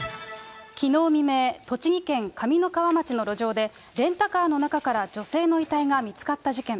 きのう未明、栃木県上三川町の路上で、レンタカーの中から女性の遺体が見つかった事件。